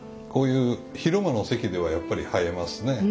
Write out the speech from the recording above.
こういう広間の席ではやっぱり映えますね。